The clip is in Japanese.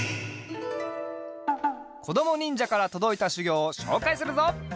こどもにんじゃからとどいたしゅぎょうをしょうかいするぞ！